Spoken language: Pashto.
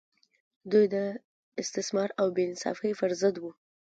دوی د استثمار او بې انصافۍ پر ضد وو.